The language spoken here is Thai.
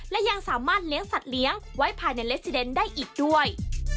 และยังสามารถเลี้ยงสัตว์เลี้ยงไว้ภายในเลสซิเดนได้อีกด้วย